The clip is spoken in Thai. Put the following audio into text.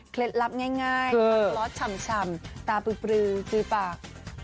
เคล็ดลับง่ายร้อนล้อชำตาปลือจือปาก